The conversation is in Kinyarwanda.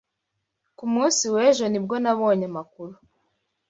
Ku munsi w'ejo ni bwo nabonye amakuru.